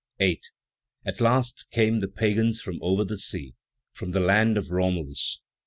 8. At last came the Pagans from over the sea, from the land of Romeles.